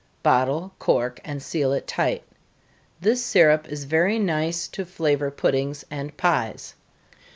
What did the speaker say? Bottle, cork, and seal it tight. This syrup is very nice to flavor puddings and pies.